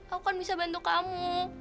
aku kan bisa bantu kamu